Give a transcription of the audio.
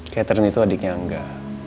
catherine itu adiknya angga